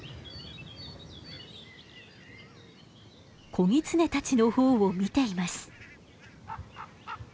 子ギツネたちの方を見ています。